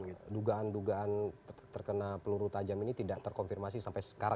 karena dugaan dugaan terkena peluru tajam ini tidak terkonfirmasi sampai sekarang